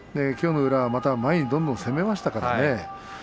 きょうの宇良は前にどんどん攻めましたからね。